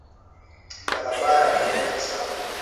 Barabara ni refu sana.